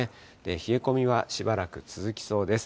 冷え込みはしばらく続きそうです。